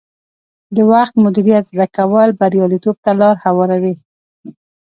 د وخت مدیریت زده کول بریالیتوب ته لار هواروي.